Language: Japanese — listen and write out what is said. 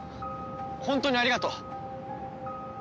本当にありがとう！